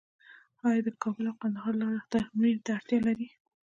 آیا د کابل او کندهار لاره ترمیم ته اړتیا لري؟